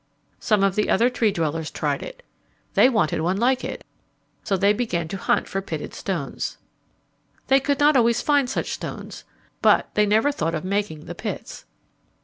Some of the other Tree dwellers tried it. They wanted one like it, so they began to hunt for pitted stones. They could not always find such stones, but they never thought of making the pits.